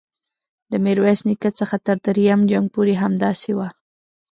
د میرویس نیکه څخه تر دریم جنګ پورې همداسې وه.